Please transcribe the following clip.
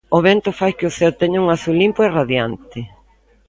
O vento fai que o ceo teña un azul limpo e radiante.